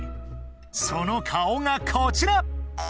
その顔がこちら